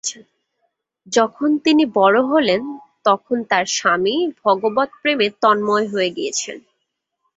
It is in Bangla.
যখন তিনি বড় হলেন, তখন তাঁর স্বামী ভগবৎপ্রেমে তন্ময় হয়ে গিয়েছেন।